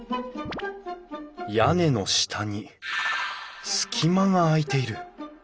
屋根の下に隙間が空いている。